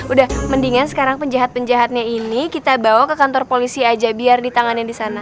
udah mendingan sekarang penjahat penjahatnya ini kita bawa ke kantor polisi aja biar ditanganin di sana